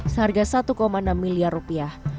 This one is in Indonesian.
seharga satu enam miliar rupiah